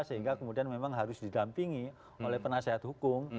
sehingga kemudian memang harus didampingi oleh penasehat hukum